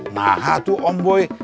nah itu om boy